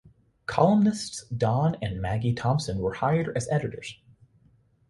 Columnists Don and Maggie Thompson were hired as editors.